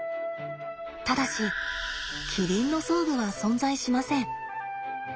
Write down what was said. ただしキリンの装具は存在しません。